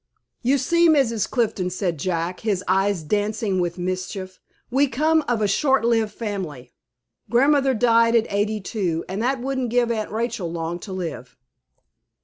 "You see, Mrs. Clifton," said Jack, his eyes dancing with mischief, "we come of a short lived family. Grandmother died at eighty two, and that wouldn't give Aunt Rachel long to live."